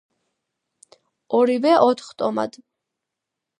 ორივე ოთხ ტომად.